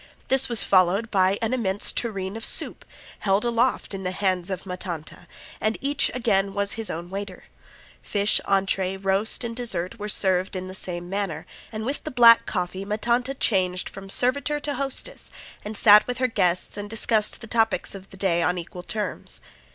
This was followed by an immense tureen of soup, held aloft in the hands of Ma Tanta, and again each was his own waiter. Fish, entree, roast, and dessert, were served in the same manner, and with the black coffee Ma Tanta changed from servitor to hostess and sat with her guests and discussed the topics of the day on equal terms.